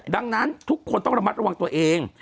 ดังนั้นทุกคนต้องระมัดระวังตัวเอง